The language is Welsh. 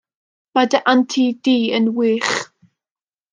Mae dy anti di yn wych!